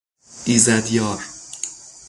ایزدیار